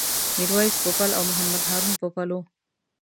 میرویس پوپل او محمد هارون پوپل و.